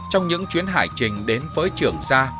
trong những chuyến hải trình đến với trường sa